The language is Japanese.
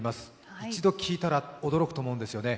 一度聴いたら驚くと思うんですよね。